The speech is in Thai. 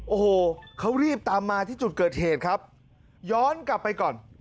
โอ้โหเขารีบตามมาที่จุดเกิดเหตุครับย้อนกลับไปก่อน